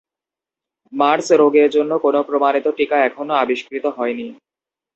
Mars রোগের জন্য কোনো প্রমাণিত টিকা এখনো আবিষ্কৃত হয়নি।